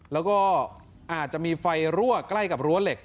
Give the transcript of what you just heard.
แล้วก็อาจจะมีไฟรั่วใกล้กับรั้วเหล็ก